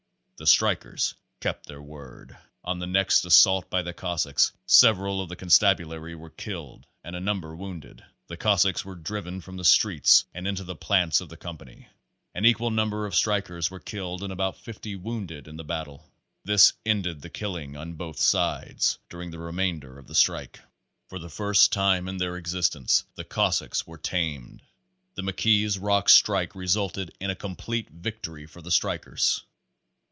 The strikers kept their word. On the next assault by the cossacks, several of the constabulary were killed and a number wounded. The cossacks were driven from the streets and into the plants of the company. An equal number of strikers were killed and about fifty wounded in the battle* This ended the killing on both sides during the remainder of the strike. For the first time in their existence the cossaks were "tamed." The McKees Rocks strike resulted in a complete victory for the strikers.